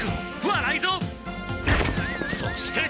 そして。